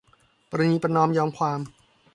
ประนีประนอมยอมความ